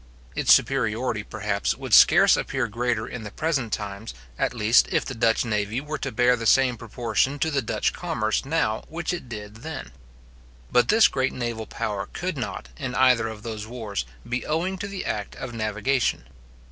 Its superiority, perhaps, would scarce appear greater in the present times, at least if the Dutch navy were to bear the same proportion to the Dutch commerce now which it did then. But this great naval power could not, in either of those wars, be owing to the act of navigation.